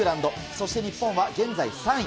そして日本は現在３位。